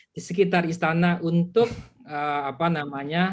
di sekitar istana untuk apa namanya